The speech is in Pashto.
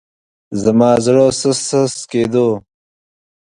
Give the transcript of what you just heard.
زما زړه سست سست کېدو.